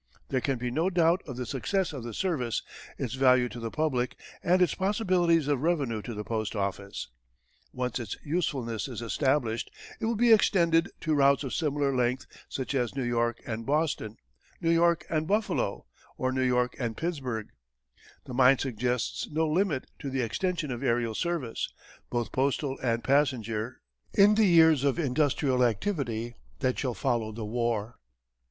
There can be no doubt of the success of the service, its value to the public, and its possibilities of revenue to the post office. Once its usefulness is established it will be extended to routes of similar length, such as New York and Boston, New York and Buffalo, or New York and Pittsburgh. The mind suggests no limit to the extension of aërial service, both postal and passenger, in the years of industrial activity that shall follow the war.